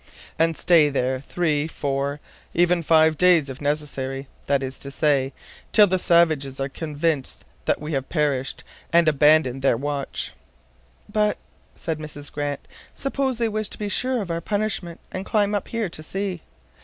And stay there three, four, even five days if necessary that is to say, till the savages are convinced that we have perished, and abandon their watch." "But," said Miss Grant, "suppose they wish to be sure of our punishment, and climb up here to see?"